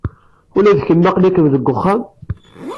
Ula d kemm aql-ikem deg uxxam?